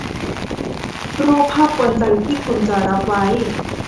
รูปภาพกวนใจที่คุณจะรับไว้